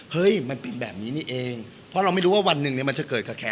เฮ้ยมันเป็นแบบนี้นี่เองเพราะเราไม่รู้ว่าวันหนึ่งเนี่ยมันจะเกิดกับแขน